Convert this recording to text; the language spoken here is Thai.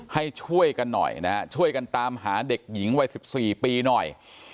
ให้ช่วยกันหน่อยนะฮะช่วยกันตามหาเด็กหญิงวัย๑๔ปีหน่อย